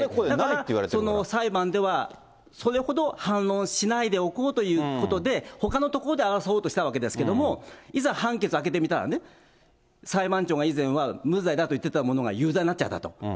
だからその裁判では、それほど反論しないでおこうということで、ほかのところで争おうとしたわけですけれども、いざ判決開けてみたらね、裁判長が以前は無罪だと言ってたものが有罪になっちゃったと。